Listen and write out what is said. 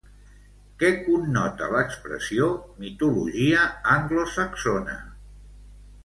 Què connota l'expressió mitologia anglosaxona?